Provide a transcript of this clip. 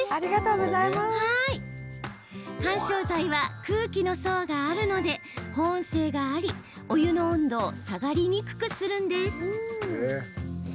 緩衝材は空気の層があるので保温性があり、お湯の温度を下がりにくくするんです。